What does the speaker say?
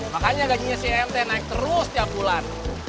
makanya gajinya si emt naik terus tiap bulan